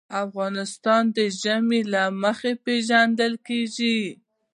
افغانستان د ژمی له مخې پېژندل کېږي.